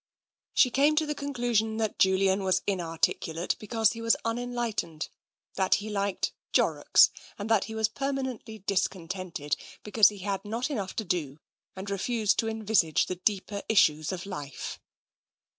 She came to the conclusion that Julian was in articulate because he was unenlightened, that he liked " jorrocks," and that he was permanently discontented because he had not enough to do and refused to en visage the deeper issues of life.